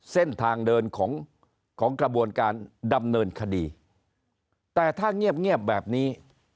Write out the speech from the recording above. เส้นทางเดินของของกระบวนการดำเนินคดีแต่ถ้าเงียบเงียบแบบนี้